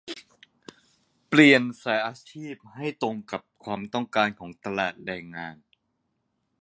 เปลี่ยนสายอาชีพให้ตรงกับความต้องการของตลาดแรงงาน